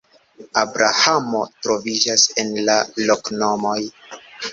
Abrahamo troviĝas en la loknomoj.